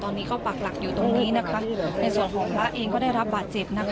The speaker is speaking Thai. ตอนนี้ก็ปักหลักอยู่ตรงนี้นะคะในส่วนของพระเองก็ได้รับบาดเจ็บนะคะ